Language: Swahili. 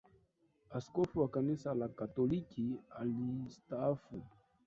Askofu wa kanisa la katoliki alistaafu